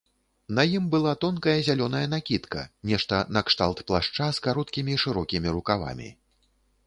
На ім была тонкая зялёная накідка, нешта накшталт плашча з кароткімі шырокімі рукавамі.